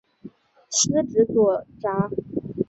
司职左闸。